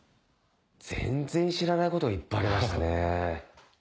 全然知らないこといっぱいありましたね。